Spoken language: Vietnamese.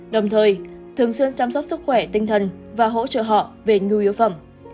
đồng thời thường xuyên chăm sóc sức khỏe tinh thần và hỗ trợ họ về nhu yếu phẩm